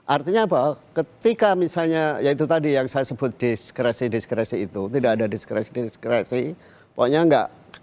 artinya apa ketika misalnya ya itu tadi yang saya sebut diskresi diskresi itu tidak ada diskresi diskresi pokoknya enggak